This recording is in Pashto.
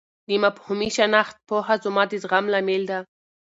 د مفهومي شناخت پوهه زما د زغم لامل ده.